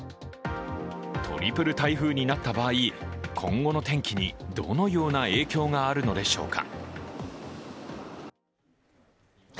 トリプル台風になった場合今後の天気にどのような影響があるのでしょうか。